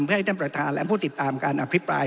เพื่อให้ท่านประธานและผู้ติดตามการอภิปราย